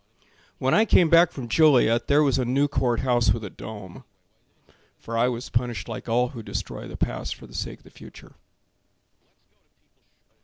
When I came back from Joliet There was a new court house with a dome. For I was punished like all who destroy The past for the sake of the future.